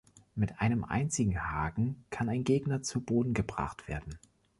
Mit einem einzigen Haken kann ein Gegner zu Boden gebracht werden.